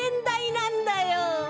なんだよ！